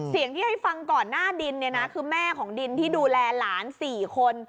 เสียงที่ให้ฟังก่อนหน้าดินเนี่ยนะคือแม่ของดินที่ดูแลหลาน๔คน